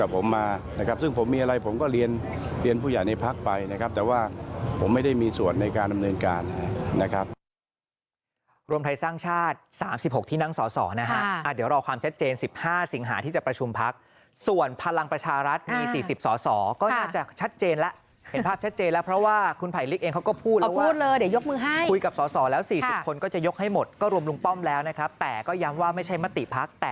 รวมไทยสร้างชาติ๓๖ที่นั่งส่อนะฮะเดี๋ยวรอความชัดเจน๑๕สิงหาที่จะประชุมพักส่วนพลังประชารัฐมี๔๐ส่อก็อาจจะชัดเจนแล้วเห็นภาพชัดเจนแล้วเพราะว่าคุณไผ่ลิกเองเขาก็พูดเลยว่าพูดเลยเดี๋ยวยกมือให้คุยกับส่อแล้ว๔๐คนก็จะยกให้หมดก็รวมรุงป้อมแล้วนะครับแต่ก็ย้ำว่า